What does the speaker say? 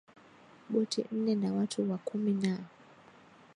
boti nne na watu wa kumi na